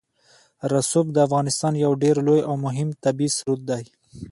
رسوب د افغانستان یو ډېر لوی او مهم طبعي ثروت دی.